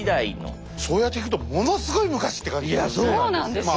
そうやって聞くとものすごい昔って感じするね。